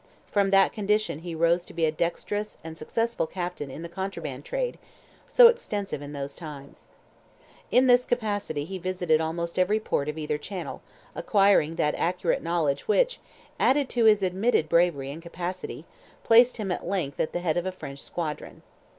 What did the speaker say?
From that condition he rose to be a dexterous and successful captain in the contraband trade, so extensive in those times. In this capacity he visited almost every port of either channel, acquiring that accurate knowledge which, added to his admitted bravery and capacity, placed him at length at the head of a French squadron.